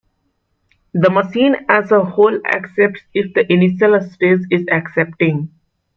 The machine as a whole accepts if the initial state is accepting.